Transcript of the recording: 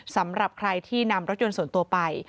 สำหรับใครที่นำรถยนต์ส่วนตัวไป